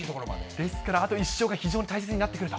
ですからあと１勝が非常に大切になってくると。